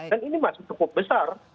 dan ini masih cukup besar